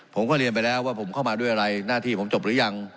ผมก็เรียนไปแล้วว่าผมเข้ามาด้วยอะไรหน้าที่ผมจบหรือยัง